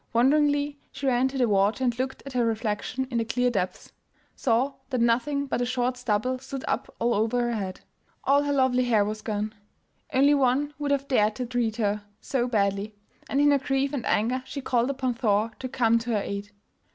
Wonderingly she ran to the water and looking at her reflection in the clear depths, saw that nothing but a short stubble stood up all over her head. All her lovely hair was gone! Only one would have dared to treat her so badly, and in her grief and anger she called upon Thor to come to her aid.